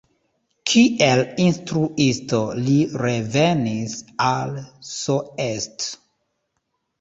Kiel instruisto li revenis al Soest.